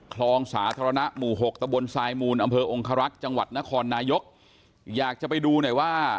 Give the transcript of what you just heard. คลองสาธารณะหมู่หกตะบนทรายมูลอำเภอองคารักษ์จังหวัดนครนายกอยากจะไปดูหน่อยว่า